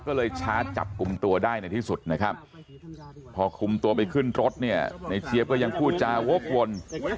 ก็เลยชาร์จจับกลุ่มตัวได้ในที่สุดนะครับพอคุมตัวไปขึ้นรถเนี่ยในเจี๊ยบก็ยังพูดจาวกวน